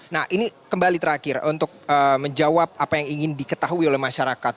nah ini kembali terakhir untuk menjawab apa yang ingin diketahui oleh masyarakat